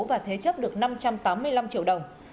và thế chấp được năm trăm tám mươi năm triệu đồng